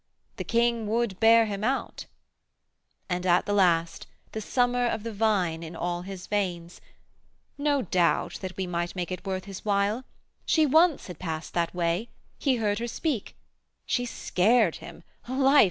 The king would bear him out;' and at the last The summer of the vine in all his veins 'No doubt that we might make it worth his while. She once had past that way; he heard her speak; She scared him; life!